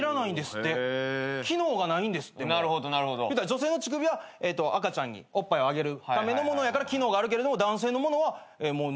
女性の乳首は赤ちゃんにおっぱいをあげるためのものやから機能があるけれども男性のものはもうないと。